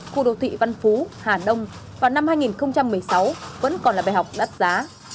khu đô thị văn phú hà đông vào năm hai nghìn một mươi sáu vẫn còn là bài học đắt giá